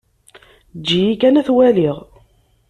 Eǧǧ-iyi kan ad t-waliɣ.